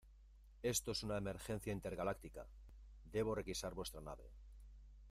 Esto es una emergencia intergaláctica. Debo requisar vuestra nave .